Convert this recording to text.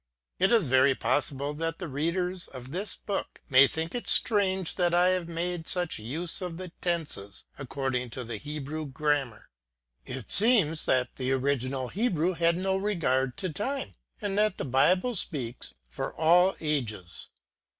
It is very possible that the readers of this book may think it strange that I have made such use of the tenses, going according to the Hebrew grammar. It seems PREFACE. that the original Hebrew had no regard to time, and that the Bible speaks for all ages.